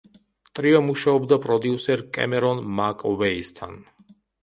ტრიო მუშაობდა პროდიუსერ კემერონ მაკ ვეისთან.